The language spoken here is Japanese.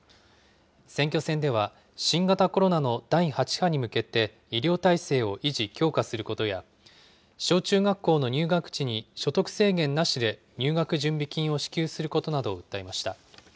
選挙戦では、新型コロナの第８波に向けて、医療体制を維持、強化することや、小中学校の入学時に所得制限なしで入学準備金を支給することなどを訴えました。